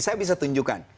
saya bisa tunjukkan